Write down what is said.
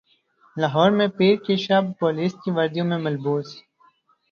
لاہور میں پیر کی شب پولیس کی وردیوں میں ملبوس